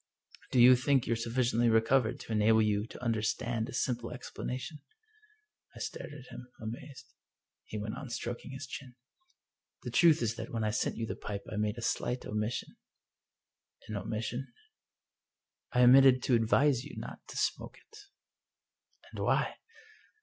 " Do you think you're sufficiently recovered to enable you to understand a little simple explanation ?" I stared at him, amazed. He went on stroking his chin. " The truth is that when I sent you the pipe I made a slight omission." " An omission ?"" I omitted to advise you not to smoke it." " And why?